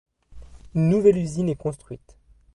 Une nouvelle usine est construite.